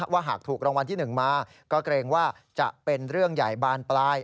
ว่าหากถูกรางวัลที่๑มาก็เกรงว่าจะเป็นเรื่องใหญ่บานปลาย